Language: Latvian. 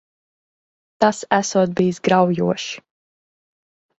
Tas esot bijis graujoši.